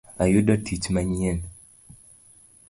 Ayudo tiich manyien